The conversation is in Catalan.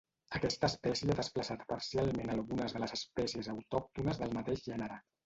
Aquesta espècie ha desplaçat parcialment a algunes de les espècies autòctones del mateix gènere.